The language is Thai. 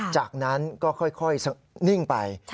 จากนั้นก็ค่อยนิ่งไป